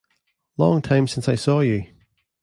Long time since I saw you.